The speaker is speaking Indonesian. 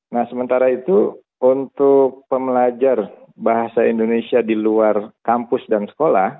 nah sementara itu untuk pembelajar bahasa indonesia di luar kampus dan sekolah